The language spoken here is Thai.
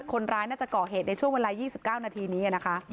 คนร้ายน่าจะก่อเหตุในช่วงเวลา๒๙นาทีนี้นะคะ